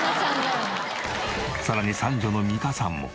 さらに三女の美香さんも。